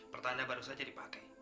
pertanda baru saja dipakai